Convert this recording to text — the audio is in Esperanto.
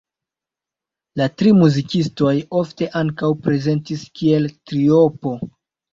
La tri muzikistoj ofte ankaŭ prezentis kiel triopo.